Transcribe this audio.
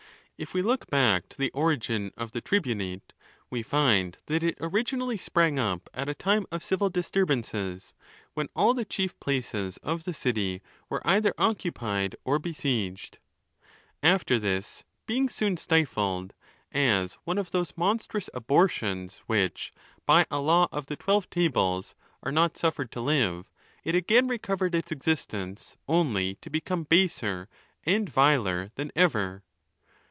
If we look back to the origin of the tribunate, we find that it originally sprang up at a time of civil disturbances, when all the chief places of. the city were either occupied or besieged. After this, being soon stifled, as one of those monstrous abortions which, by a. 470: ON THE LAWS. law of the Twelve Tables, are not suffered to live, it again recovered its existence, only to become baser and viler than ever.